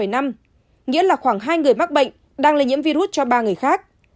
nghĩa là khoảng hai người mắc bệnh đang lây nhiễm virus cho ba người khác